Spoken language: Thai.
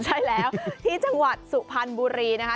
ใช่แล้วที่จังหวัดสุพรรณบุรีนะคะ